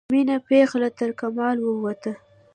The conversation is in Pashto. میینه پیغله ترکمال ووته